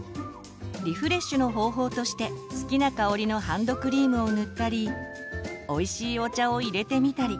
リフレッシュの方法として好きな香りのハンドクリームを塗ったりおいしいお茶をいれてみたり。